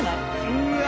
うわ！